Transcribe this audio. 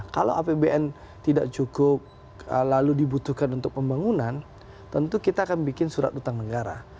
kalau apbn tidak cukup lalu dibutuhkan untuk pembangunan tentu kita akan bikin surat utang negara